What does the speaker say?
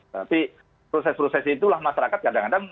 tapi proses proses itulah masyarakat kadang kadang